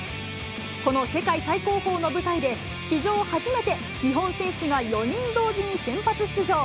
この世界最高峰の舞台で、史上初めて日本選手が４人同時に先発出場。